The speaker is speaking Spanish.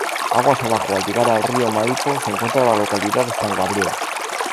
Aguas abajo, al llegar al río Maipo se encuentra la localidad de San Gabriel.